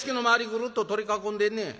ぐるっと取り囲んでんねん。